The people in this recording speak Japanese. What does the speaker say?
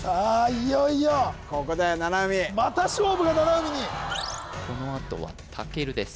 いよいよここだよ七海また勝負が七海にこのあとはたけるです